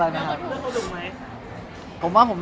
อันนี้ไม่รู้แล้วล่ะต้องถามเขาล่ะ